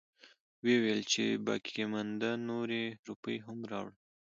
وويلې چې باقيمانده نورې روپۍ هم راوړه.